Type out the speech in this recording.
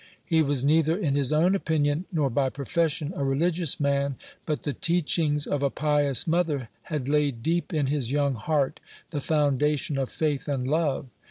He was neither in his own opinion, nor by profession, a religious man; but the teachings of a pious mother had laid deep in his young heart the foundation of faith and love.